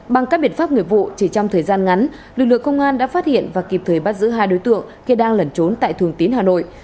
bằng các biện pháp nghiệp vụ chỉ trong thời gian ngắn lực lượng công an đã phát hiện và kịp thời bắt giữ hai đối tượng khi đang lẩn trốn tại thường tín hà nội